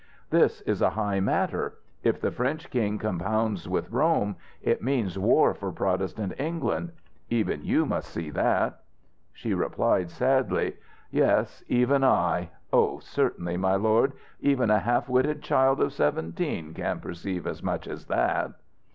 This is a high matter. If the French King compounds with Rome, it means war for Protestant England. Even you must see that." She replied, sadly: "Yes, even I! oh, certainly, my lord, even a half witted child of seventeen can perceive as much as that."